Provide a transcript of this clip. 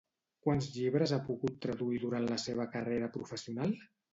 Quants llibres ha pogut traduir durant la seva carrera professional?